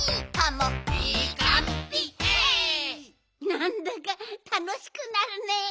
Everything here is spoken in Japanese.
なんだかたのしくなるね。